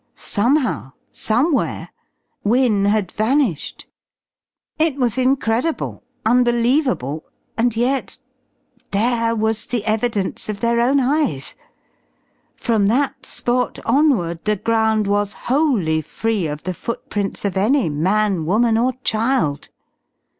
Somehow, somewhere, Wynne had vanished. It was incredible, unbelievable, and yet there was the evidence of their own eyes. From that spot onward the ground was wholly free of the footprints of any man, woman, or child.